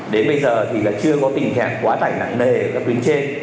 đến bây giờ thì là chưa có tình trạng quá tải nặng nề ở các tuyến trên